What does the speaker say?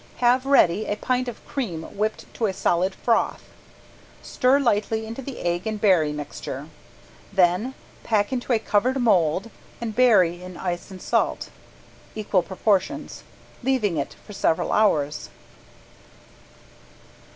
Have ready a pint of cream whipped to a solid froth, stir lightly into the egg and berry mixture, then pack into a covered mold and bury in ice and salt, equal proportions, leaving it for several hours.